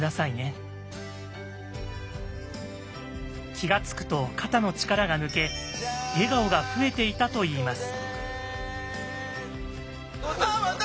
気が付くと肩の力が抜け笑顔が増えていたといいます。